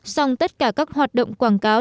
xong tất cả các hoạt động quảng cáo